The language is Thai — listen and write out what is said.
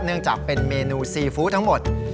เนื่องจากเป็นเมนูซีฟู้ดทั้งหมด